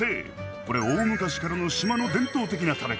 これ大昔からの島の伝統的な食べ方。